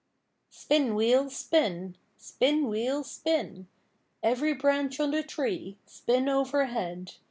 Spin, wheel, spin; spin, wheel, spin; Every branch on the tree, spin overhead.